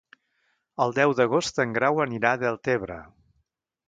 El deu d'agost en Grau anirà a Deltebre.